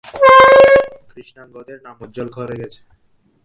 কৃষ্ণাঙ্গদের নাম উজ্জ্বল করে গেছে।